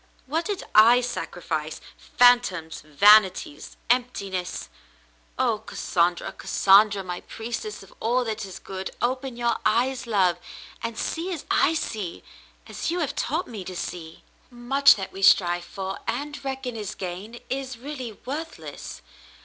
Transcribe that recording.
What did I sacrifice ? Phantoms, vanities, and emptiness. Oh, Cassandra, Cassandra, my priestess of all that is good ! Open your eyes, love, and see as I see — as you have taught me to see. " Much that we strive for and reckon as gain is really worthless.